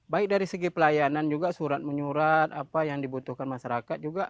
baik dari segi pelayanan juga surat menyurat apa yang dibutuhkan masyarakat juga